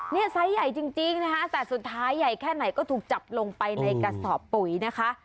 นี่ไซส์ใหญ่จริงนะคะแต่สุดท้ายใหญ่แค่ไหนก็ถูกจับลงไปในกระสอบปุ๋ยนะคะ